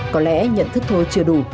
có lẽ nhận thức thôi chưa đủ